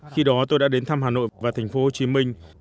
khi đó tôi đã đến thăm hà nội và thành phố hồ chí minh